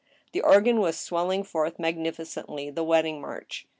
The organ was swelling forth magnificently the wedding march.